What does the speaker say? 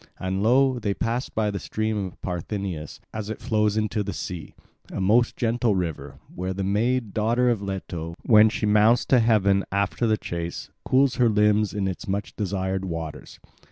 And lo, they passed by the stream of Parthenius as it flows into the sea, a most gentle river, where the maid, daughter of Leto, when she mounts to heaven after the chase, cools her limbs in its much desired waters.